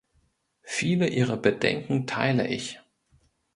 Viele Ihrer Bedenken teile ich.